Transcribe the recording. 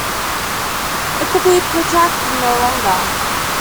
It could be protracted no longer.